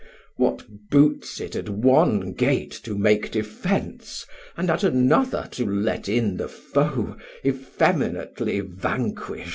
What boots it at one gate to make defence, 560 And at another to let in the foe Effeminatly vanquish't?